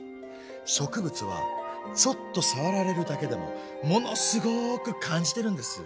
植物はちょっと触られるだけでもものすごく感じてるんです。